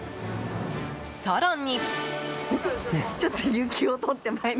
更に。